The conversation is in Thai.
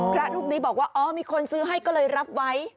พระรูปนี้บอกว่าอ๋อมีคนซื้อให้ก็เลยรับไว้